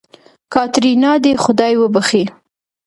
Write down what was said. کاتېرينا دې خداى وبښي.